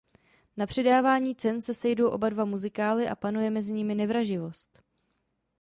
Na předávání cen se sejdou oba dva muzikály a panuje mezi nimi nevraživost.